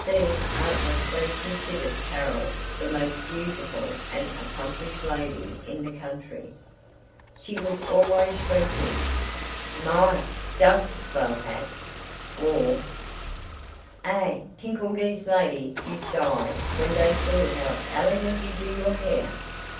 Bea artlessly considered Carol the most beautiful and accomplished lady in the country; she was always shrieking, "My, dot's a swell hat!" or, "Ay t'ink all dese ladies yoost die when dey see how elegant you do your hair!"